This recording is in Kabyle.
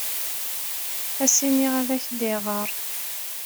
Ad as-iniɣ ad ak-d-iɣer?